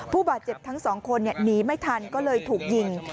ผู้บาดเจ็บทั้งสองคนหนีไม่ทันก็เลยถูกยิง